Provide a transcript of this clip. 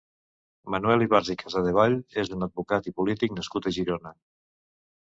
Manuel Ibarz i Casadevall és un advocat i polític nascut a Girona.